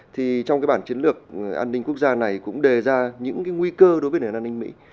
thì trong cái bản chiến lược an ninh quốc gia này cũng đề ra những nguy cơ đối với nền an ninh mỹ